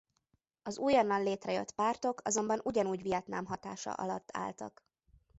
Az újonnan létrejött pártok azonban ugyanúgy Vietnám hatása alatt álltak.